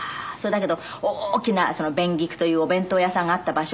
だけど大きな弁菊というお弁当屋さんがあった場所は。